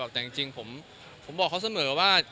แต่จริงผมบอกเขาเสมอว่า